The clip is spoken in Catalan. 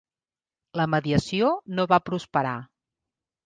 La mediació no va prosperar.